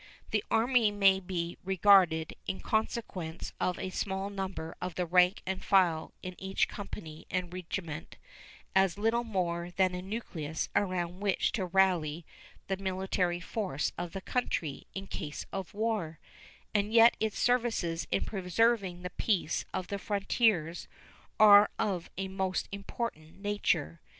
The Army may be regarded, in consequence of the small number of the rank and file in each company and regiment, as little more than a nucleus around which to rally the military force of the country in case of war, and yet its services in preserving the peace of the frontiers are of a most important nature.